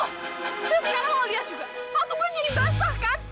tapi sekarang lo liat juga waktu gue jadi basah kan